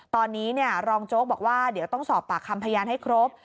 ตอนนี้รองโจ๊กบอกว่าเดี๋ยวต้องสอบปากคำพยานให้ครบ